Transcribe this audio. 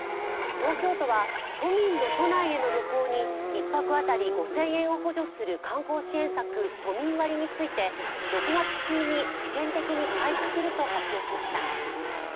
東京都は都民の都内への旅行に１泊あたり５０００円を補助する観光支援策・都民割について６月中に試験的に開始すると発表しました。